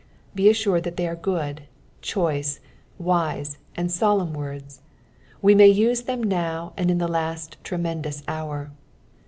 Be assured that Ihey are good, choice, wise, and solemn words; we may use them now and in the last tremendous hour.